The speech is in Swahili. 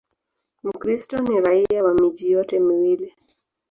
Mkristo ni raia wa miji yote miwili.